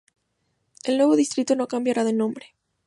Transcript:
El nuevo distrito no cambiará de nombre.